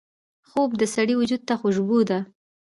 خوب د سړي وجود ته خوشبو ده